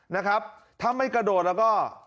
นะครับถ้าไม่กระโดดแล้วก็